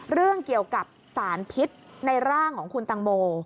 เรื่องเกี่ยวกับสารพิษในร่างของคุณตังโม